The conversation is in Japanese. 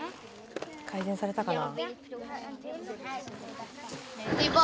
改善されたかな？